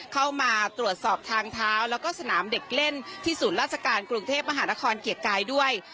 เข้ามาตรวจสอบทางเท้าแล้วก็สนามเด็กเล่นที่ศูนย์ราชการกรุงเทพมหานครเกียรติกายด้วย